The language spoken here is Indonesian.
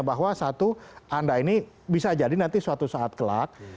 bahwa satu anda ini bisa jadi nanti suatu saat kelak